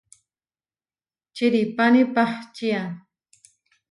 Čiʼrípani pahčía.